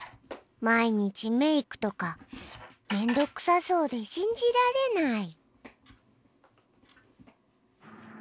毎日メークとか面倒くさそうで信じられない！